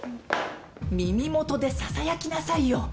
耳元でささやきなさいよ。